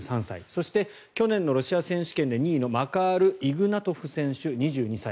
そして、去年のロシア選手権で２位のマカール・イグナトフ選手２２歳。